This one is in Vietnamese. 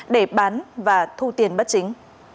để bán và thu tiền bất chính